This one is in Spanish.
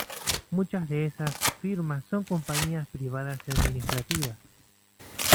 Muchas de esas firmas son compañías privadas y administrativas.